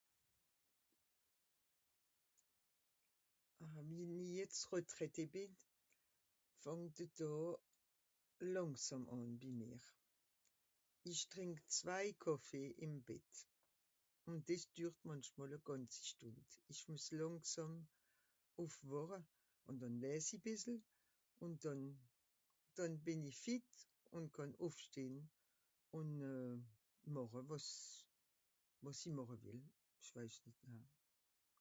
Ah wie-n-i jetz retraité bìn, fàngt de Dàà làngsàmm àn bi mìr. Ìch trìnk zwei Kàffé ìm Bett. Ùn dìs dürrt mànchmol e gànzi Stùnd. ìch mues làngsàm ùffwàche, ùn dànn léés i bìssel. Ùn dànn, dànn bìn i fit ùn ìch kànn ùffstehn, ùn euh... màche wàs... wàs i màche wìll. Ìch weis nìt.